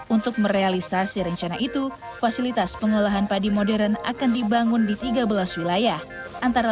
untuk merealisasi rencana itu fasilitas pengolahan padi modern akan dibangun di tiga belas wilayah antara